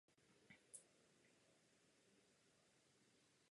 Setkáváme se s ní například při malbě ikon.